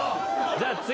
じゃあ次。